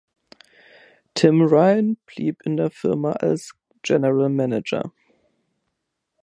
Tim Ryan blieb in der Firma als General Manager.